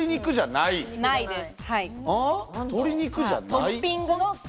ないです。